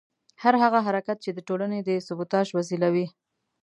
هر هغه حرکت چې د ټولنې د سبوټاژ وسیله وي.